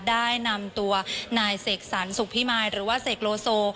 ได้นำตัวนายเสกสรรสุขพิมายหรือว่าเสกโลโซ